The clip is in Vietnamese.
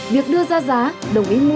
việc đưa ra giá đồng ý mọi người